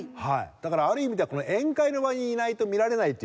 だからある意味では宴会の場にいないと見られないという。